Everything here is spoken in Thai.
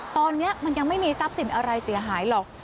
ตอนนี้มันยังไม่มีทรัพย์สินอะไรเสียหายหรอก